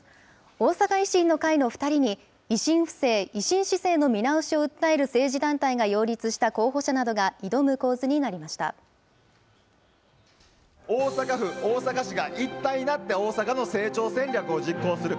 大阪維新の会の２人に、維新府政・維新市政の見直しを訴える政治団体が擁立した候補者な大阪府、大阪市が一体になって大阪の成長戦略を実行する。